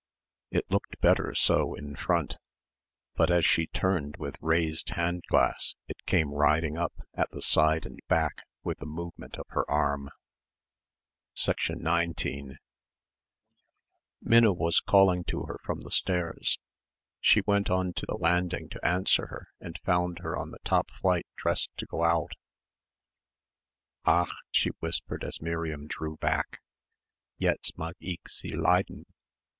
It looked better so in front; but as she turned with raised hand glass it came riding up at the side and back with the movement of her arm. 19 Minna was calling to her from the stairs. She went on to the landing to answer her and found her on the top flight dressed to go out. "Ach!" she whispered as Miriam drew back. "Jetzt mag' ich Sie leiden.